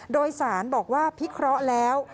โดยสารบอกว่าพิเคราะห์แล้ว